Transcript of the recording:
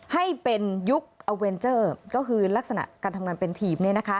ให้เป็นยุคอเวนเจอร์ก็คือลักษณะการทำงานเป็นทีม